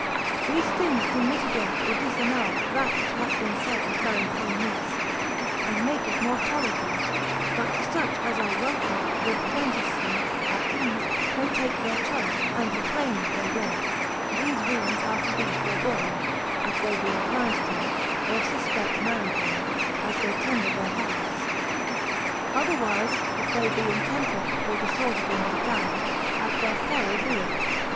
These things do mitigate or disannul that which hath been said of melancholy meats, and make it more tolerable; but to such as are wealthy, live plenteously, at ease, may take their choice, and refrain if they will, these viands are to be forborne, if they be inclined to, or suspect melancholy, as they tender their healths: Otherwise if they be intemperate, or disordered in their diet, at their peril be it.